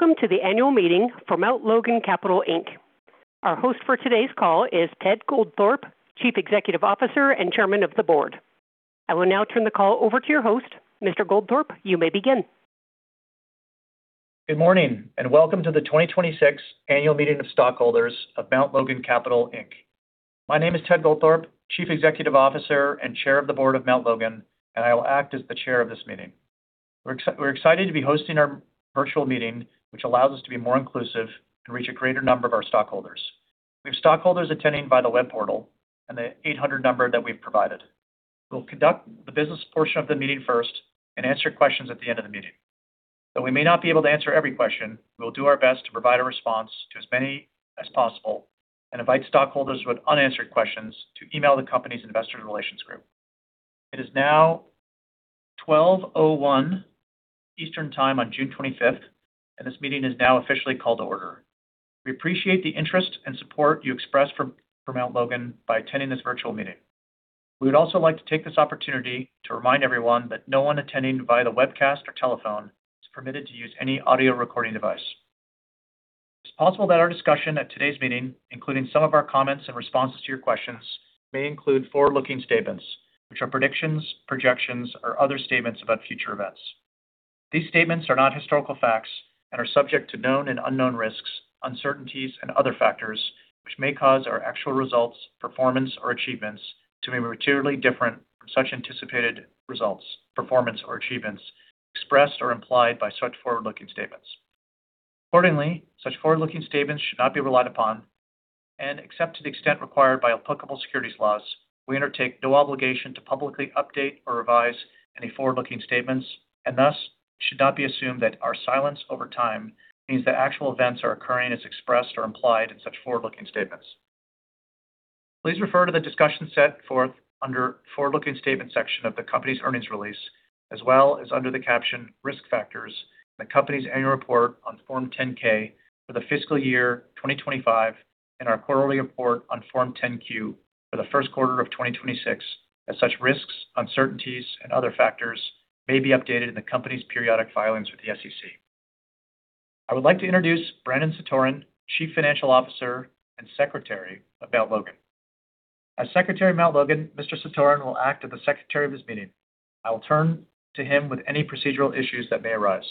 Welcome to the annual meeting for Mount Logan Capital Inc. Our host for today's call is Ted Goldthorpe, Chief Executive Officer and Chairman of the Board. I will now turn the call over to your host. Mr. Goldthorpe, you may begin. Good morning. Welcome to the 2026 annual meeting of stockholders of Mount Logan Capital Inc. My name is Ted Goldthorpe, Chief Executive Officer and Chair of the Board of Mount Logan, and I will act as the chair of this meeting. We're excited to be hosting our virtual meeting, which allows us to be more inclusive and reach a greater number of our stockholders. We have stockholders attending by the web portal and the 800 number that we've provided. We'll conduct the business portion of the meeting first and answer questions at the end of the meeting. Though we may not be able to answer every question, we will do our best to provide a response to as many as possible and invite stockholders with unanswered questions to email the company's investor relations group. It is now 12:01 P.M. Eastern Time on June 25th. This meeting is now officially called to order. We appreciate the interest and support you express for Mount Logan by attending this virtual meeting. We would also like to take this opportunity to remind everyone that no one attending via the webcast or telephone is permitted to use any audio recording device. It's possible that our discussion at today's meeting, including some of our comments and responses to your questions, may include forward-looking statements, which are predictions, projections, or other statements about future events. These statements are not historical facts and are subject to known and unknown risks, uncertainties, and other factors which may cause our actual results, performance, or achievements to be materially different from such anticipated results, performance, or achievements expressed or implied by such forward-looking statements. Accordingly, such forward-looking statements should not be relied upon. Except to the extent required by applicable securities laws, we undertake no obligation to publicly update or revise any forward-looking statements. Thus, it should not be assumed that our silence over time means that actual events are occurring as expressed or implied in such forward-looking statements. Please refer to the discussion set forth under the forward-looking statements section of the company's earnings release, as well as under the caption Risk Factors in the company's annual report on Form 10-K for the fiscal year 2025 and our quarterly report on Form 10-Q for the first quarter of 2026, as such risks, uncertainties, and other factors may be updated in the company's periodic filings with the SEC. I would like to introduce Brandon Satoren, Chief Financial Officer and Secretary of Mount Logan. As Secretary of Mount Logan, Mr. Satoren will act as the secretary of this meeting. I will turn to him with any procedural issues that may arise.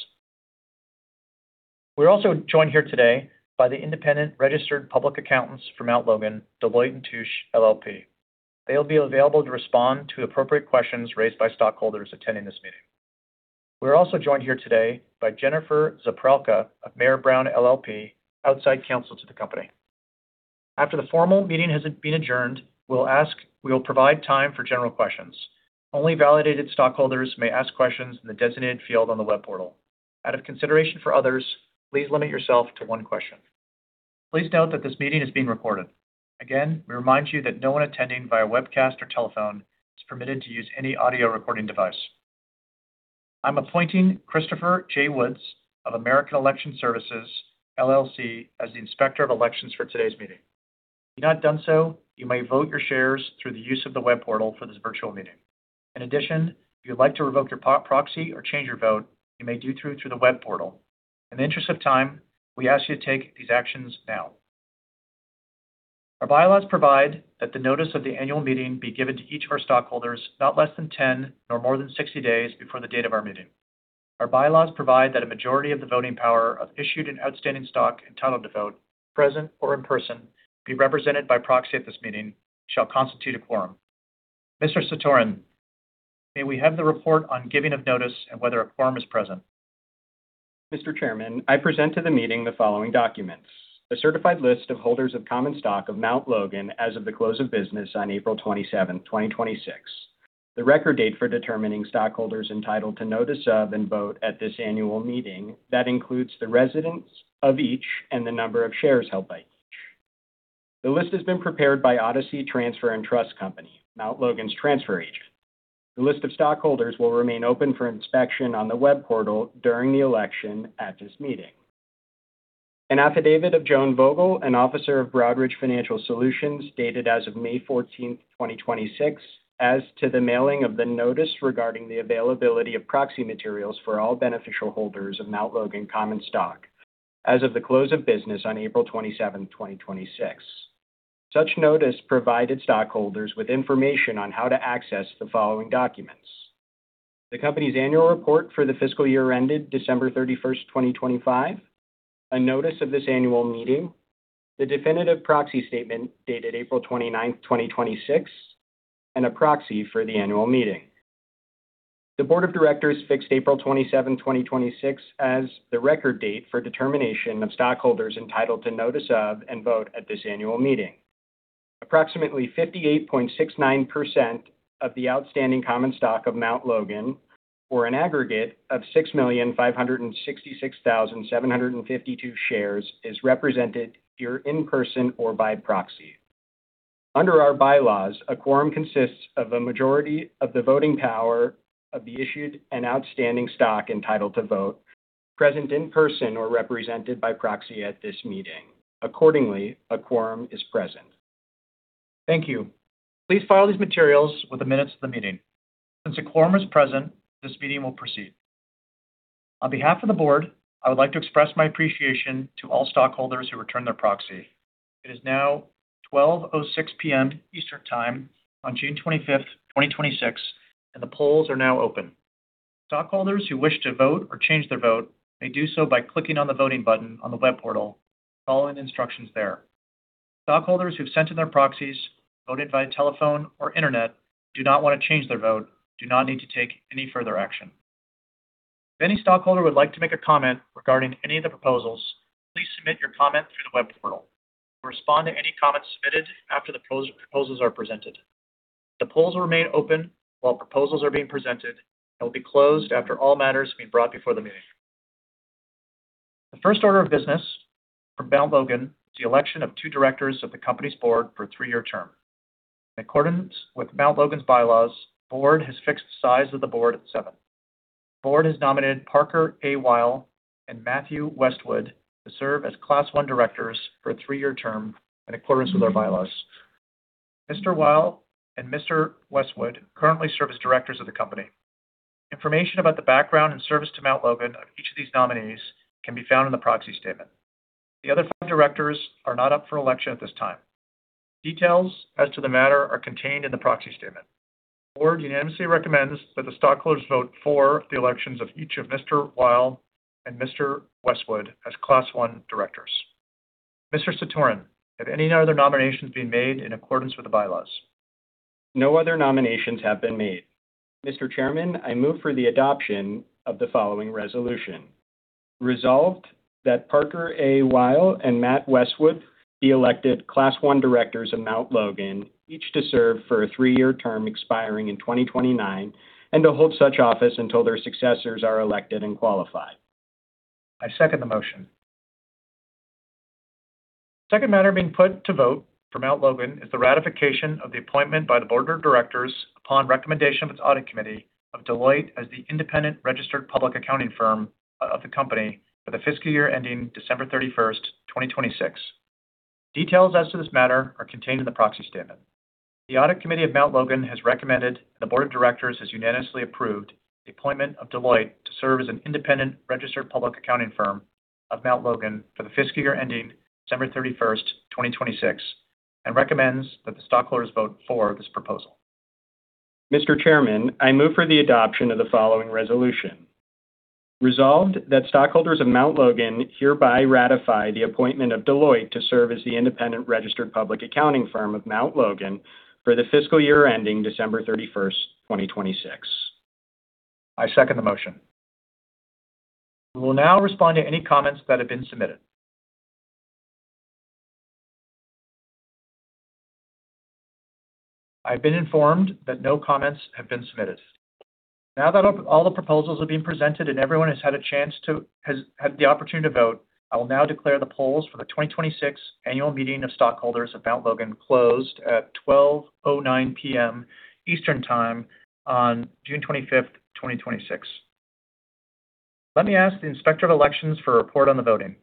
We're also joined here today by the independent registered public accountants for Mount Logan, Deloitte & Touche LLP. They'll be available to respond to appropriate questions raised by stockholders attending this meeting. We're also joined here today by Jennifer Zepralka of Mayer Brown LLP, outside counsel to the company. After the formal meeting has been adjourned, we will provide time for general questions. Only validated stockholders may ask questions in the designated field on the web portal. Out of consideration for others, please limit yourself to one question. Please note that this meeting is being recorded. Again, we remind you that no one attending via webcast or telephone is permitted to use any audio recording device. I'm appointing Christopher J. Woods of American Election Services, LLC as the Inspector of Elections for today's meeting. If you've not done so, you may vote your shares through the use of the web portal for this virtual meeting. In addition, if you'd like to revoke your proxy or change your vote, you may do through the web portal. In the interest of time, we ask you to take these actions now. Our bylaws provide that the notice of the annual meeting be given to each of our stockholders not less than 10 nor more than 60 days before the date of our meeting. Our bylaws provide that a majority of the voting power of issued and outstanding stock entitled to vote, present or in person, be represented by proxy at this meeting, shall constitute a quorum. Mr. Satoren, may we have the report on giving of notice and whether a quorum is present? Mr. Chairman, I present to the meeting the following documents. A certified list of holders of common stock of Mount Logan as of the close of business on April 27th, 2026. The record date for determining stockholders entitled to notice of and vote at this annual meeting that includes the residents of each and the number of shares held by each. The list has been prepared by Odyssey Trust Company, Mount Logan's transfer agent. The list of stockholders will remain open for inspection on the web portal during the election at this meeting. An affidavit of Joan Vogel, an officer of Broadridge Financial Solutions, dated as of May 14th, 2026, as to the mailing of the notice regarding the availability of proxy materials for all beneficial holders of Mount Logan common stock as of the close of business on April 27th, 2026. Such notice provided stockholders with information on how to access the following documents. The company's annual report for the fiscal year ended December 31st, 2025, a notice of this annual meeting, the definitive proxy statement dated April 29th, 2026, and a proxy for the annual meeting. The board of directors fixed April 27, 2026, as the record date for determination of stockholders entitled to notice of and vote at this annual meeting. Approximately 58.69% of the outstanding common stock of Mount Logan, or an aggregate of 6,566,752 shares, is represented here in person or by proxy. Under our bylaws, a quorum consists of a majority of the voting power of the issued and outstanding stock entitled to vote, present in person or represented by proxy at this meeting. Accordingly, a quorum is present Thank you. Please file these materials with the minutes of the meeting. Since a quorum is present, this meeting will proceed. On behalf of the board, I would like to express my appreciation to all stockholders who returned their proxy. It is now 12:06 P.M. Eastern Time on June 25th, 2026, and the polls are now open. Stockholders who wish to vote or change their vote may do so by clicking on the voting button on the web portal and following the instructions there. Stockholders who've sent in their proxies, voted via telephone or internet, do not want to change their vote, do not need to take any further action. If any stockholder would like to make a comment regarding any of the proposals, please submit your comment through the web portal. We'll respond to any comments submitted after the proposals are presented. The polls will remain open while proposals are being presented and will be closed after all matters have been brought before the meeting. The first order of business for Mount Logan is the election of two directors of the company's board for a three-year term. In accordance with Mount Logan's bylaws, the board has fixed the size of the board at seven. The board has nominated Parker A. Weil and Matthew Westwood to serve as Class I directors for a three-year term in accordance with our bylaws. Mr. Weil and Mr. Westwood currently serve as directors of the company. Information about the background and service to Mount Logan of each of these nominees can be found in the proxy statement. The other five directors are not up for election at this time. Details as to the matter are contained in the proxy statement. The board unanimously recommends that the stockholders vote for the elections of each of Mr. Weil and Mr. Westwood as Class I directors. Mr. Satoren, have any other nominations been made in accordance with the bylaws? No other nominations have been made. Mr. Chairman, I move for the adoption of the following resolution. Resolved that Parker A. Weil and Matt Westwood be elected Class I directors of Mount Logan, each to serve for a three-year term expiring in 2029, and to hold such office until their successors are elected and qualified. I second the motion. The second matter being put to vote for Mount Logan is the ratification of the appointment by the board of directors, upon recommendation of its audit committee, of Deloitte as the independent registered public accounting firm of the company for the fiscal year ending December 31st, 2026. Details as to this matter are contained in the proxy statement. The audit committee of Mount Logan has recommended, and the board of directors has unanimously approved, the appointment of Deloitte to serve as an independent registered public accounting firm of Mount Logan for the fiscal year ending December 31st, 2026, and recommends that the stockholders vote for this proposal. Mr. Chairman, I move for the adoption of the following resolution. Resolved that stockholders of Mount Logan hereby ratify the appointment of Deloitte to serve as the independent registered public accounting firm of Mount Logan for the fiscal year ending December 31st, 2026. I second the motion. We will now respond to any comments that have been submitted. I've been informed that no comments have been submitted. Now that all the proposals have been presented and everyone has had the opportunity to vote, I will now declare the polls for the 2026 annual meeting of stockholders of Mount Logan closed at 12:09 P.M. Eastern Time on June 25th, 2026. Let me ask the Inspector of Elections for a report on the voting.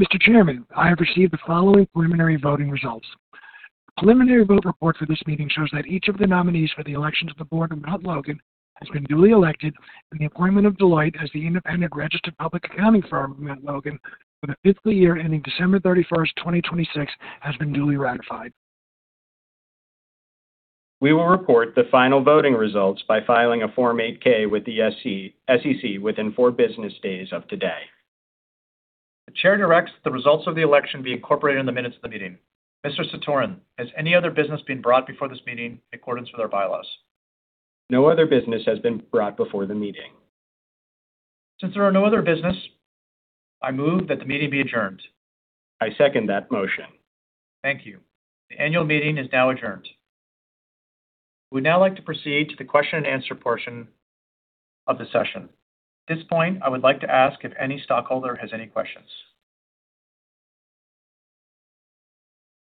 Mr. Chairman, I have received the following preliminary voting results. The preliminary vote report for this meeting shows that each of the nominees for the elections of the board of Mount Logan has been duly elected, and the appointment of Deloitte as the independent registered public accounting firm of Mount Logan for the fiscal year ending December 31st, 2026, has been duly ratified. We will report the final voting results by filing a Form 8-K with the SEC within four business days of today. The chair directs that the results of the election be incorporated in the minutes of the meeting. Mr. Satoren, has any other business been brought before this meeting in accordance with our bylaws? No other business has been brought before the meeting. Since there are no other business, I move that the meeting be adjourned. I second that motion. Thank you. The annual meeting is now adjourned. We'd now like to proceed to the question-and-answer portion of the session. At this point, I would like to ask if any stockholder has any questions.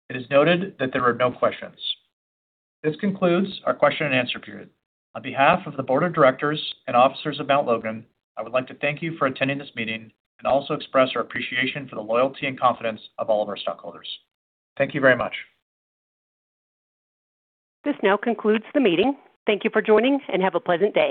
It is noted that there are no questions. This concludes our question-and-answer period. On behalf of the board of directors and officers of Mount Logan, I would like to thank you for attending this meeting and also express our appreciation for the loyalty and confidence of all of our stockholders. Thank you very much. This now concludes the meeting. Thank you for joining, and have a pleasant day.